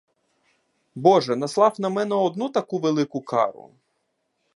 Боже, наслав на мене одну таку велику кару?